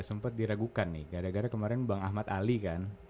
sempat diragukan nih gara gara kemarin bang ahmad ali kan